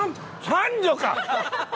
三女か！